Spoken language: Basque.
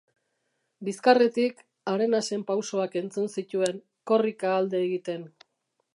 Bizkarretik, Arenasen pausoak entzun zituen, korrika alde egiten.